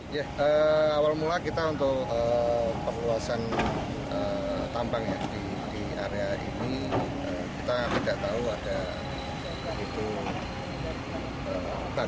di area ini kita tidak tahu ada itu target itu menarik terlalu keras disitu ada apa ya semacam cocoran gitu kan